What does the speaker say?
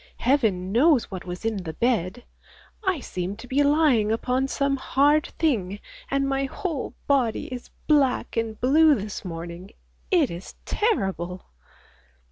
Heaven knows what was in the bed. I seemed to be lying upon some hard thing, and my whole body is black and blue this morning. It is terrible!